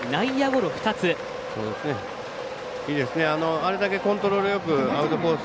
あれだけコントロールよくアウトコース